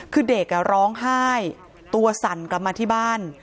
คือเด็กร้องไห้ตัวสั่นกลับมาที่บ้าน